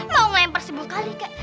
mau melempar sepuluh kali kak